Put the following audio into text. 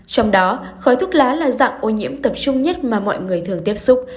trong đó khói thuốc lá là dạng ô nhiễm tập trung nhất mà mọi người thường tiếp xúc